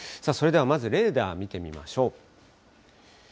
それではまずレーダーを見てみましょう。